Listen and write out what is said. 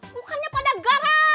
bukannya pada gara